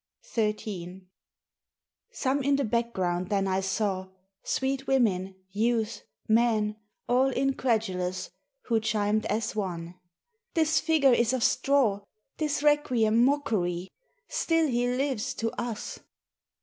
... XIII Some in the background then I saw, Sweet women, youths, men, all incredulous, Who chimed as one: "This figure is of straw, This requiem mockery! Still he lives to us!"